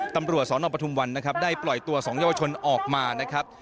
ตำรวจสรนอปทุมวันได้ปล่อยตัว๒ยาวชนออกมา